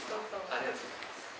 ありがとうございます。